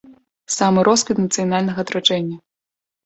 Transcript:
Самы росквіт нацыянальнага адраджэння.